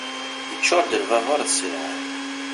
Iččur-d lbabur d sselɛa.